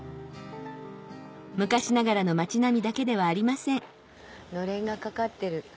昔ながらの町並みだけではありませんのれんが掛かってる。